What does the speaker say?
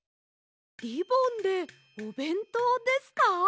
リボンでおべんとうですか？